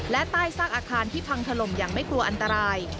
และใต้ซากอาคารที่พังถล่มอย่างไม่กลัวอันตราย